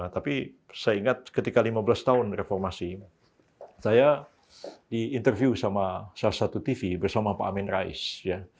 tapi saya ingat ketika lima belas tahun reformasi saya diinterview sama salah satu tv bersama pak amin rais ya